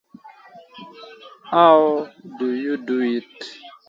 Neferhotep I was likely contemporaneous with kings Zimri-Lim of Mari and Hammurabi of Babylon.